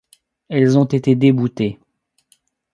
Elles ont été déboutées.